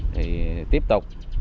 thì tiếp tục